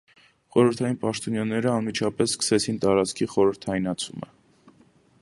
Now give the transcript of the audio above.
Խորհրդային պաշտոնյաները անմիջապես սկսեցին տարածքի խորհրդայնացումը։